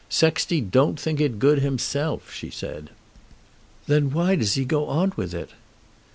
"Sexty don't think it good himself," she said. "Then why does he go on with it?"